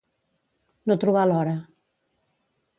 No trobar l'hora.